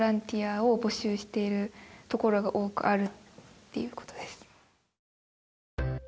っていうことです。